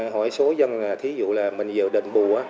hỏi số dân thí dụ là mình vừa đền bù